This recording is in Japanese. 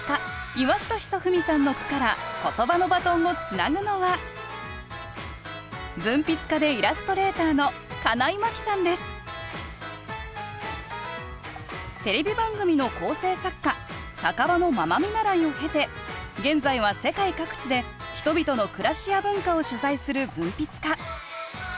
岩下尚史さんの句からことばのバトンをつなぐのは文筆家でイラストレーターの金井真紀さんですテレビ番組の構成作家酒場のママ見習いを経て現在は世界各地で人々の暮らしや文化を取材する文筆家。